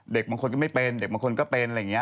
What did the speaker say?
เด็กบางคนก็ไม่เป็นเด็กบางคนก็เป็นอะไรอย่างนี้